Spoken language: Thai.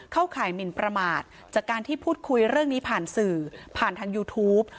ข่ายหมินประมาทจากการที่พูดคุยเรื่องนี้ผ่านสื่อผ่านทางยูทูป